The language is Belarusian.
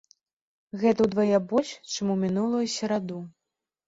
Гэта ўдвая больш, чым у мінулую сераду.